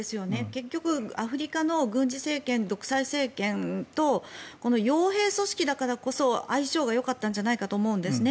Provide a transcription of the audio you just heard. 結局、アフリカの軍事政権、独裁政権と傭兵組織だからこそ相性がよかったんじゃないかと思うんですね。